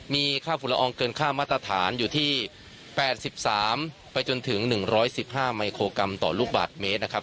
มีค่าฝุ่นละอองเกินค่ามาตรฐานอยู่ที่๘๓ไปจนถึง๑๑๕มิโครกรัมต่อลูกบาทเมตรนะครับ